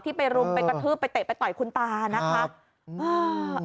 ไปรุมไปกระทืบไปเตะไปต่อยคุณตานะคะ